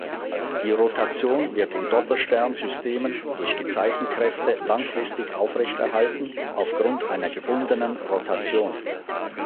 Die Rotation wird in Doppelstern-Systemen durch Gezeitenkräfte langfristig aufrechterhalten aufgrund einer gebundenen Rotation.